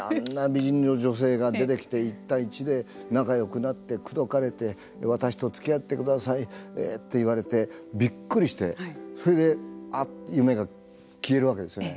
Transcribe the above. あんな美人の女性が出てきて１対１で仲よくなって口説かれて私とつきあってくださいと言われてびっくりしてそれで夢が消えるわけですよね。